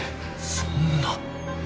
そんな。